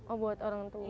oh buat orang tua